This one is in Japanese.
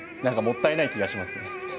何かもったいない気がしますね。